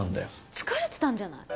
疲れてたんじゃない？